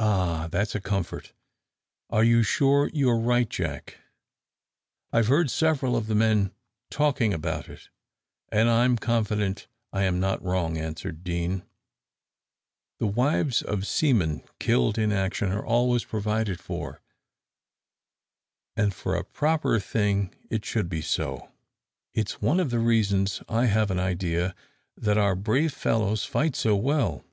"Ah, that's a comfort; are you sure you are right, Jack?" "I have heard several of the men talking about it, and I'm confident I am not wrong," answered Deane. "The wives of seamen killed in action are always provided for, and a proper thing it should be so. It's one of the reasons, I have an idea, that our brave fellows fight so well.